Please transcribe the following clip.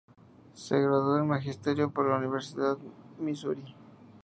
Se graduó en Magisterio por la Universidad de Misuri.